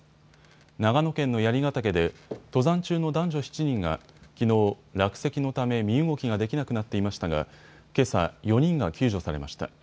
長野県の槍ヶ岳で登山中の男女７人がきのう落石のため身動きができなくなっていましたがけさ、４人が救助されました。